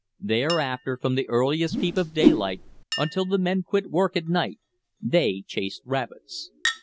Thereafter from the earliest peep of daylight until the men quit work at night they chased rabbits.